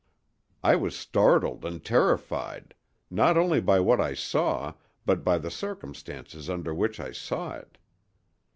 I was startled and terrified—not only by what I saw, but by the circumstances under which I saw it.